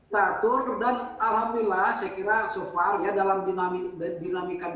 nah tur dan alhamdulillah saya kira so far ya dalam dinamika diskusi mungkin adalah sekali sekali